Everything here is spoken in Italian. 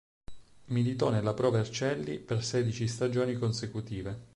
Militò nella Pro Vercelli per sedici stagioni consecutive.